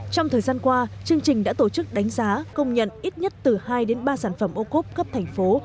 trong thời gian qua chương trình đã tổ chức đánh giá công nhận ít nhất từ hai đến ba sản phẩm ô cốp cấp thành phố